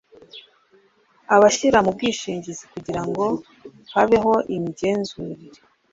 Abishyira mu bwishingizi kugira ngo habeho imigenzurire